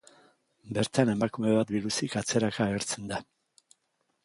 Bertan emakume bat biluzik atzeraka agertzen da.